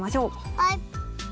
はい！